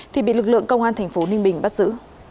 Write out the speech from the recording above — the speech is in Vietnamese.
thì bị lực lượng công an thành phố ninh bình bắt giữ